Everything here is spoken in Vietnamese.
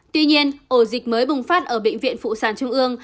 tuy nhiên ổ dịch mới bùng phát ở bệnh viện phụ sản trung ương